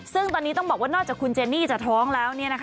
ซึ่งตอนนี้ต้องบอกว่านอกจากคุณเจนี่จะท้องแล้ว